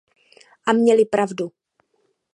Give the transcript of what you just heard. A měli pravdu.